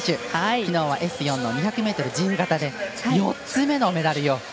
きのうはＳ４の２００ｍ自由形で４つ目のメダルを。